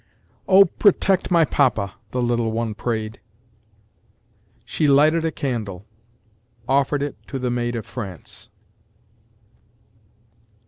OH protect my papa the little one prayed. SHE lighted a candle offered it to the Maid of France.